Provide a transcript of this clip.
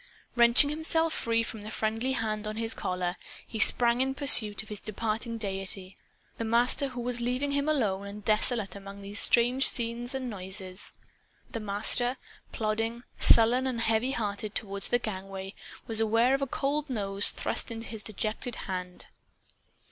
Wrenching himself free from the friendly hand on his collar, he sprang in pursuit of his departing deity, the loved Master who was leaving him alone and desolate among all these strange scenes and noises. The Master, plodding, sullen and heavy hearted, toward the gangway, was aware of a cold nose thrust into his dejected hand.